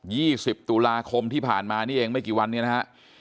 สิบตุลาคมที่ผ่านมานี่เองไม่กี่วันเนี่ยนะฮะ